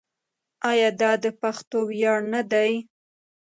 آیا دا د پښتنو ویاړ نه دی؟